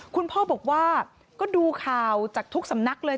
คุณพ่อบอกว่าก็ดูข่าวจากทุกสำนักเลย